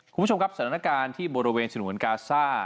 คุณผู้ชมครับสถานการณ์ที่บริเวณฉนวนกาซ่า